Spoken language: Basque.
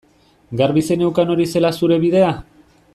Garbi zeneukan hori zela zure bidea?